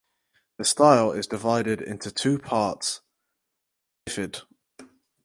The style is divided into two parts (bifid).